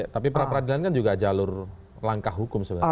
tapi pra peradilan kan juga jalur langkah hukum sebenarnya